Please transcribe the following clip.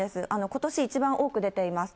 ことし一番多く出ています。